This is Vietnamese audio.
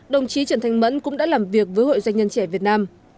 đồng chí trần thanh mẫn cũng đã làm việc với hội doanh nhân trẻ việt nam